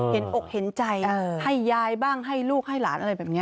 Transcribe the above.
อกเห็นใจให้ยายบ้างให้ลูกให้หลานอะไรแบบนี้